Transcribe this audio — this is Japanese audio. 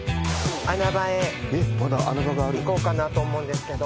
穴場へ行こうかなと思うんですけど。